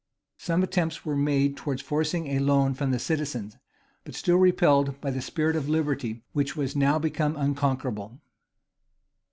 Some attempts were made towards forcing a loan from the citizens; but still repelled by the spirit of liberty, which was now become unconquerable.